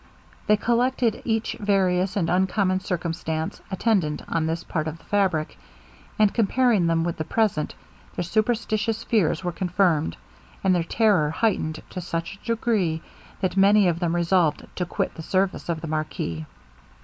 They collected each various and uncommon circumstance attendant on this part of the fabric; and, comparing them with the present, their superstitious fears were confirmed, and their terror heightened to such a degree, that many of them resolved to quit the service of the marquis.